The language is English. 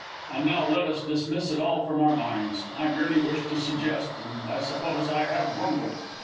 And now let us dismiss it all from our minds. I merely wished to suggest, and I suppose I have bungled.